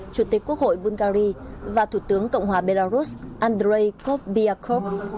chủ tịch quốc hội bungary và thủ tướng cộng hòa belarus andrei kobiakov